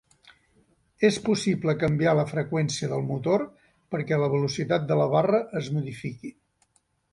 És possible canviar la freqüència del motor perquè la velocitat de la barra es modifiqui.